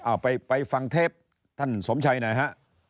เอาไปฟังเทปท่านสมชัยหน่อยฮะ